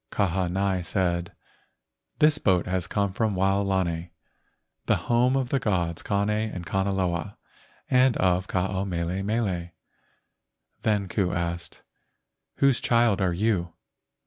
Kahanai said, "This boat has come from Wao lani, the home of the gods Kane and Kanaloa and of Ke ao mele mele." Then Ku asked again, "Whose child are you?"